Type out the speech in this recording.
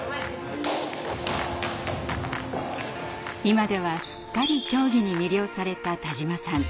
今ではすっかり競技に魅了された田島さん。